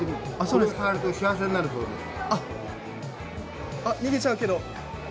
これ触ると幸せになるそうです。